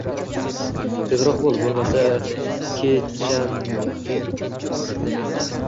Tezroq boʻl, boʻlmasa kechandaqangi kaltakdan yana yeysan.